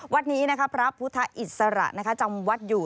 วัดนี้พระพุทธอิสระจำวัดอยู่